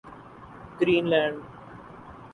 green land